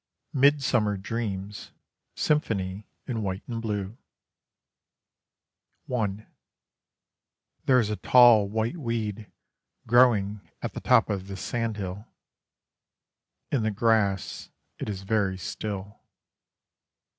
MIDSUMMER DREAMS (Symphony in White and Blue) I There is a tall white weed growing at the top of this sand hill: In the grass It is very still.